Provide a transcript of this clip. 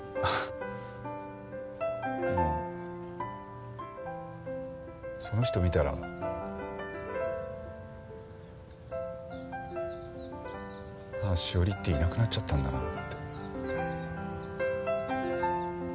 でもその人見たらああ史織っていなくなっちゃったんだなって。